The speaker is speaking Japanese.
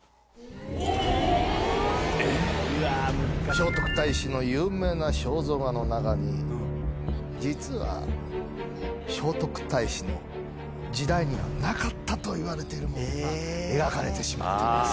聖徳太子の有名な肖像画の中に実は聖徳太子の時代にはなかったといわれてるものが描かれてしまっています。